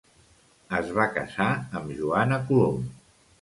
Es va casar amb Joana Colom.